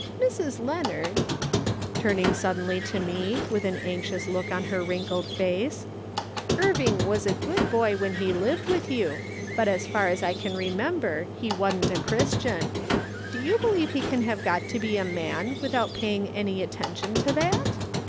" Mrs. Leonard" — turning suddenly to me, wilh an anxious look on her wrinkled face —" Irving was a good boy when he lived with you, but as nciu as I can remember, he wa'n't a Christian. Do you believe he can have got to be a man witliout paying any attention to that